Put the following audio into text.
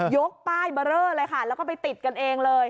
ยกป้ายเบอร์เรอเลยค่ะแล้วก็ไปติดกันเองเลย